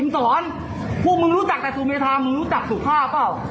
สอนพวกมึงรู้จักแต่สุเมธามึงรู้จักสุภาพเปล่า